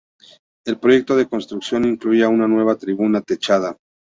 El proyecto de construcción incluía una nueva tribuna techada.